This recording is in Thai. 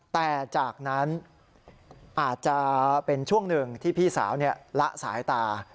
แต่จากนั้นอาจจะเป็นช่วงหนึ่งที่พี่สาวละสายตา